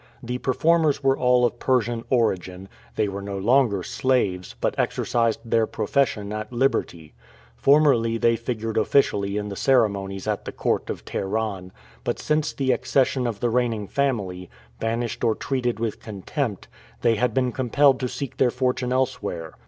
The performers were all of Persian origin; they were no longer slaves, but exercised their profession at liberty. Formerly they figured officially in the ceremonies at the court of Teheran, but since the accession of the reigning family, banished or treated with contempt, they had been compelled to seek their fortune elsewhere.